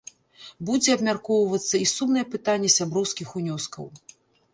Будзе абмяркоўвацца і сумнае пытанне сяброўскіх унёскаў.